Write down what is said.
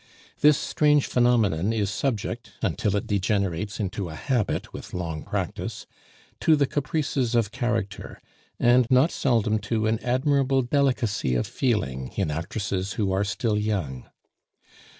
This strange phenomenon is subject, until it degenerates into a habit with long practice, to the caprices of character, and not seldom to an admirable delicacy of feeling in actresses who are still young.